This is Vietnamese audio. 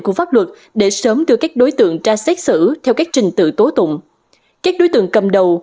của pháp luật để sớm đưa các đối tượng ra xét xử theo các trình tự tố tụng các đối tượng cầm đầu